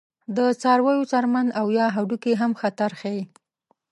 د څارویو څرمن او یا هډوکي هم خطر ښيي.